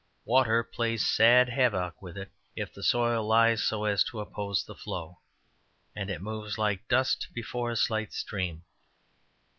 Water plays sad havoc with it, if the soil lies so as to oppose the flow, and it moves like dust before a slight stream.